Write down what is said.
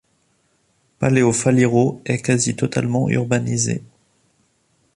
Paleó Fáliro est quasi-totalement urbanisée.